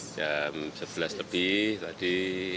jam sebelas lebih tadi